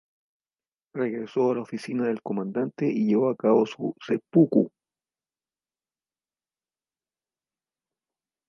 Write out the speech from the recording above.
Regresó a la oficina del comandante y llevó a cabo su "seppuku".